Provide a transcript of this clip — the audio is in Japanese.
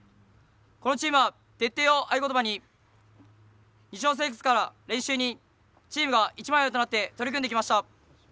このチームは、「徹底」を合い言葉に日常生活から練習にチームが一枚岩となって取り組んできました。